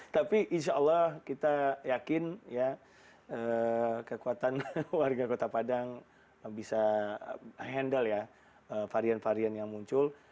tapi insya allah kita yakin ya kekuatan warga kota padang bisa handle ya varian varian yang muncul